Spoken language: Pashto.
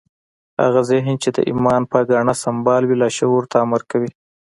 هغه ذهن چې د ايمان په ګاڼه سمبال وي لاشعور ته امر کوي.